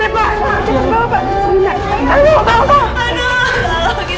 pak harus dibawa ke dokter deh pak